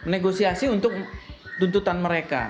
negosiasi untuk tuntutan mereka